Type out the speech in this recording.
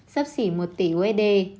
sắp xỉ một tỷ usd